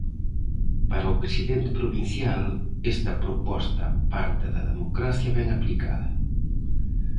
Para o presidente provincial, esta proposta parte da democracia ben aplicada.